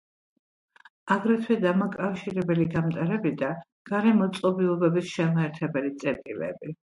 აგრეთვე დამაკავშირებელი გამტარები და გარე მოწყობილობების შემაერთებელი წერტილები.